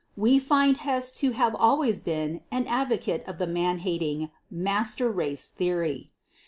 We find Hess to have always been an advocate of the man hating "master race" theory.